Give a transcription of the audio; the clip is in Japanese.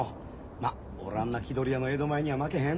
まっ俺はあんな気取り屋の江戸前には負けへん。